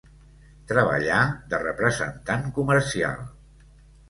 Treballà de representant comercial.